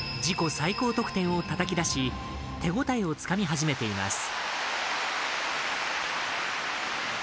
自己最高得点をたたき出し手応えをつかみ始めています。